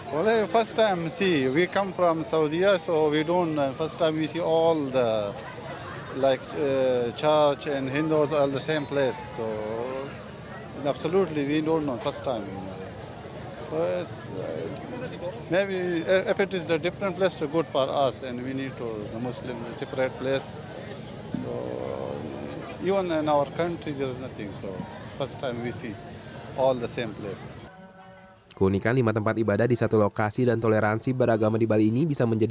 ketika kita melihat semua tempat yang sama